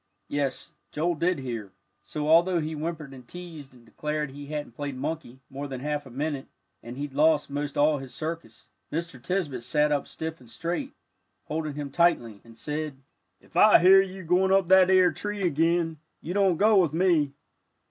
Yes, Joel did hear, so although he whimpered and teased, and declared he hadn't played monkey more than a half a minute, and he'd lost most all his circus, Mr. Tisbett sat up stiff and straight, holding him tightly, and said, "If I hear of you goin' up that ere tree again, you don't go with me."